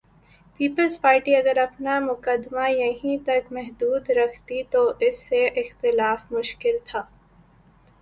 Peoples party اگر اپنا مقدمہ یہیں تک محدود رکھتی تو اس سے اختلاف مشکل تھا۔